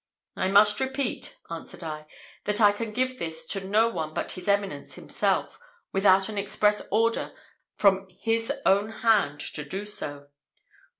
"I must repeat," answered I, "that I can give this to no one but his eminence himself, without an express order from his own hand to do so."